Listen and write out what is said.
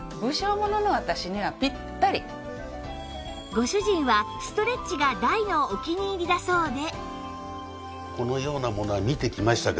ご主人はストレッチが大のお気に入りだそうで